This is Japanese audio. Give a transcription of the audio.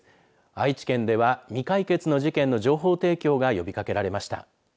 愛知県では未解決の事件の情報提供が呼びかけられました。